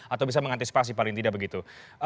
atau bisa mengantisipasi paling tidak begitu